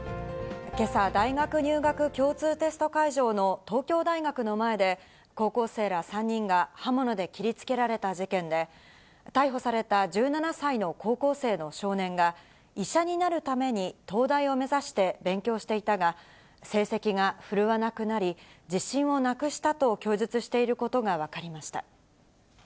けさ、大学入学共通テスト会場の東京大学の前で、高校生ら３人が刃物で切りつけられた事件で、逮捕された１７歳の高校生の少年が、医者になるために東大を目指して勉強していたが、成績が振るわなくなり、自信をなくしたと供述していることが分か